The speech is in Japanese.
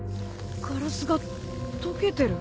ガラスが溶けてる。